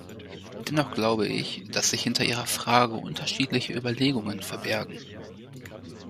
Dennoch glaube ich, dass sich hinter ihrer Frage unterschiedliche Überlegungen verbergen.